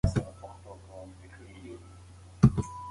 آیا د کرونا واکسین د بدن لپاره کوم جانبي عوارض لري؟